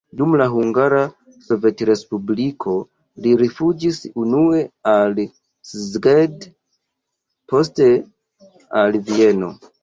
Dum la Hungara Sovetrespubliko li rifuĝis unue al Szeged, poste al Vieno.